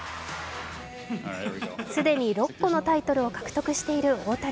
既に６個のタイトルを獲得している大谷。